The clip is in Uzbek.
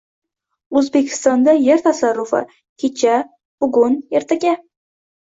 O‘zbekistonda yer tasarrufi: kecha, bugun, ertaga